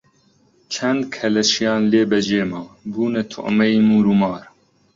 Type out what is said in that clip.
چەند کەلەشیان لێ بە جێ ما، بوونە توعمەی موور و مار